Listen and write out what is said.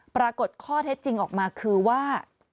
ปรากฏข้อเท็จจริงออกมาคือว่า